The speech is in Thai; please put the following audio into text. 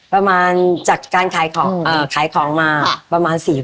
ประมาณจากการขายของมา๔ปี